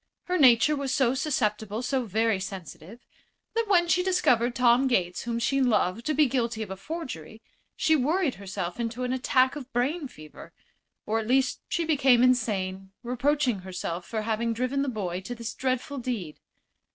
Her nature was so susceptible, so very sensitive, that when she discovered Tom Gates, whom she loved, to be guilty of a forgery, she worried herself into an attack of brain fever; or at least she became insane, reproaching herself for having driven the boy to this dreadful deed.